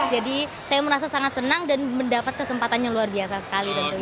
saya merasa sangat senang dan mendapat kesempatan yang luar biasa sekali tentunya